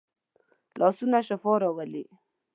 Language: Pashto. لاسونه شفا راولي